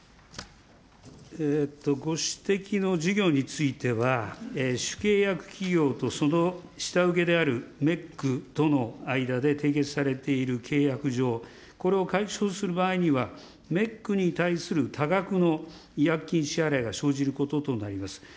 ご指摘の事業については、主契約企業とその下請けであるメックとの間で締結されている契約上、これを解消する場合には、メックに対する多額の違約金支払いが生じることとなります。